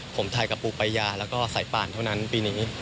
ผมถ่ายกับปูปายาแล้วก็สายป่านเท่านั้นปีนี้